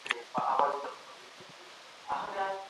ځیني څېړونکي د سیاست پر علمي والي باور نه لري.